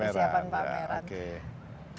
persiapan pameran oke